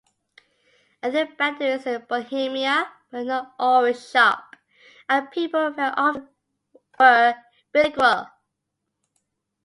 Ethnic boundaries in Bohemia were not always sharp, and people very often were bilingual.